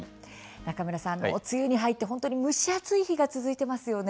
中村さん、梅雨に入って蒸し暑い日が続いていますね。